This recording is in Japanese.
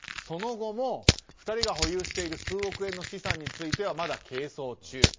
その後も、２人が保有している数億円の資産についてはまだ係争中。